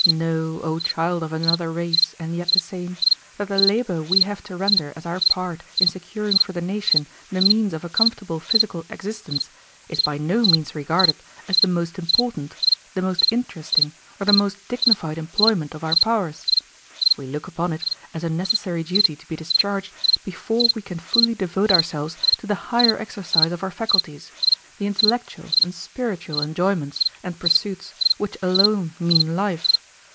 Know, O child of another race and yet the same, that the labor we have to render as our part in securing for the nation the means of a comfortable physical existence is by no means regarded as the most important, the most interesting, or the most dignified employment of our powers. We look upon it as a necessary duty to be discharged before we can fully devote ourselves to the higher exercise of our faculties, the intellectual and spiritual enjoyments and pursuits which alone mean life.